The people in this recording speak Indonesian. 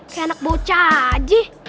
kayak anak bocah aja